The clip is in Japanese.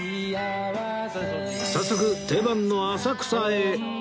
早速定番の浅草へ